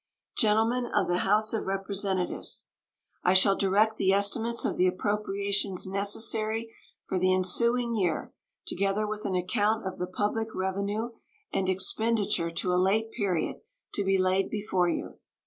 Gentlemen of the House of Representatives: I shall direct the estimates of the appropriations necessary for the ensuing year, together with an account of the public revenue and expenditure to a late period, to be laid before you.